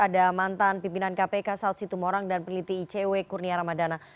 ada mantan pimpinan kpk saud situmorang dan peneliti icw kurnia ramadana